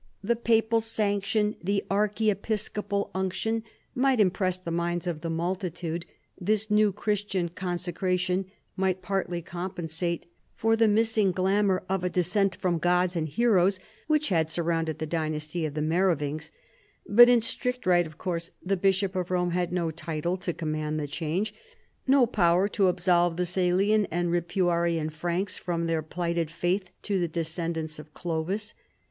The papal sanction, the archiepiscopal unction might impress the minds of the multitude ; this new Christian consecration might partly compensate for the missing glamour of a descent from gods and heroes which had surrounded the dynasty of the Merovings ; but in strict right, of course, the Bishop of Rome had no title to command the change, no p(jwer to absolve the Salian and Ripuarian Franks from their plighted faith to the descendants of Clovis.